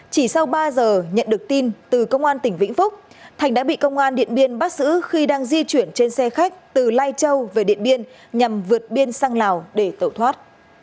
chỉ sau ba giờ nhận được tin từ công an tỉnh vĩnh phúc thành đã bị công an điện biên bắt giữ khi đang di chuyển trên xe khách từ lai châu về điện biên nhằm vượt biên sang lào để tẩu thoát